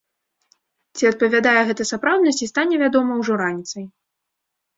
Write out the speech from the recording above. Ці адпавядае гэта сапраўднасці, стане вядома ўжо раніцай.